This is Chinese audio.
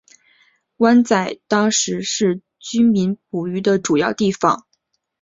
湾仔当时是居民捕鱼的主要地方。